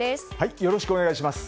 よろしくお願いします。